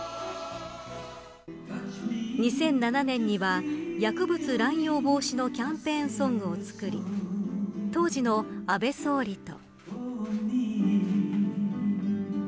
２００７年には、薬物乱用防止のキャンペーンソングを作り当時の安倍総理と。